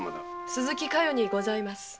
鈴木加代にございます。